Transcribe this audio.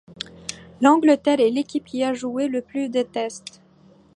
L'Angleterre est l'équipe qui a joué le plus de tests.